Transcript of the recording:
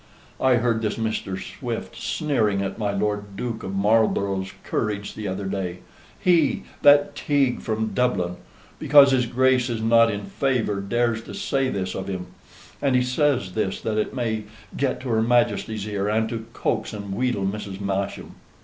I heard this Mr. Swift sneering at my Lord Duke of Marlborough's courage the other day. He! that Teague from Dublin! because his Grace is not in favor, dares to say this of him; and he says this that it may get to her Majesty's ear, and to coax and wheedle Mrs. Masham.